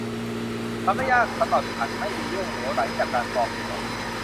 มันไม่ยากสำหรับฉันไม่มีเรื่องเหลวไหลจากการปลอมตัว